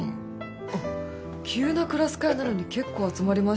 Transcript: あっ急なクラス会なのに結構集まりましたね。